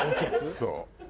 そう。